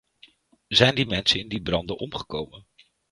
Zijn die mensen in die branden omgekomen?